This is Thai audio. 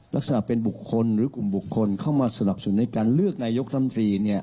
ลักษณะเป็นบุคคลหรือกลุ่มบุคคลเข้ามาสนับสนุนในการเลือกนายกรรมตรี